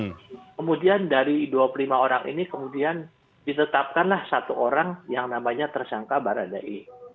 kemudian dari dua puluh lima orang ini kemudian ditetapkanlah satu orang yang namanya tersangka baradae